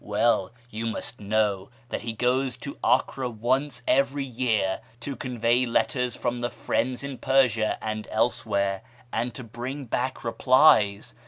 Well, you must know that he goes to Acre once every year to •onvey letters from ' the Friends ' in Persia and elsewhere, lud to bring back replies.